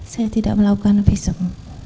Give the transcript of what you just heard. saya tidak melakukan visum